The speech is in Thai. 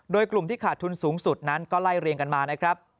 โดยกลุ่มที่ขาดทุนสูงสุดนั้นก็ไล่เรียงกันมานะครับ